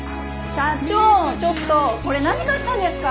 社長ちょっとこれ何買ったんですか？